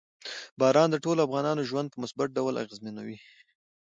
باران د ټولو افغانانو ژوند په مثبت ډول اغېزمنوي.